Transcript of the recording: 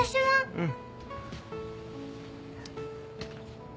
うん。